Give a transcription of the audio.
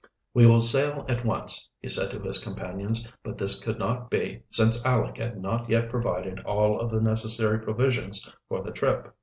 "We will sail at once," he said to his companions, but this could not be, since Aleck had not yet provided all of the necessary provisions for the trip.